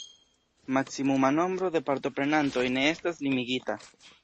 Maksimuma nombro de partoprenantoj ne estas limigita.